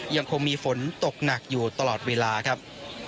ยังคงมีฝนตกหนักอยู่ตลอดเวลาครับ